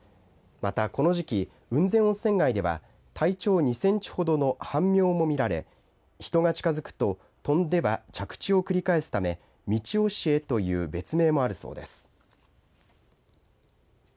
またこの時期雲仙温泉街では体長２センチ程のハンミョウも見られ、人が近づくと、飛んでは着地を繰り返すためミチオシエという別名もあるそうです。